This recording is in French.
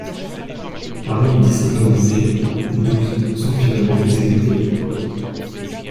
Parmi les dix-sept hommes visés, douze sont finalement exécutés.